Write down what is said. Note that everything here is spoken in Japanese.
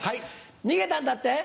逃げたんだって？